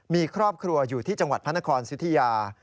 มีครอบครัวอยู่ที่จังหวัดพระนครสิทธิยา